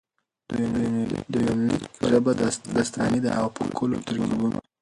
د يونليک ژبه داستاني ده او په ښکلو ترکيبونه.